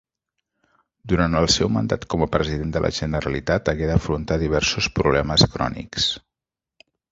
Durant el seu mandat com a president de la Generalitat hagué d'afrontar diversos problemes crònics.